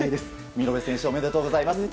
見延選手、おめでとうございます。